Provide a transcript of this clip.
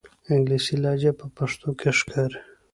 انګلیسي لهجه په پښتو کې ښکاري.